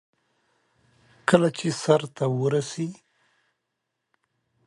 ګلادسوف بندي کړی وو.